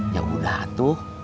ya udah tuh